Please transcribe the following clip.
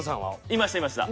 いましたいました。